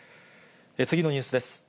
次のニュースです。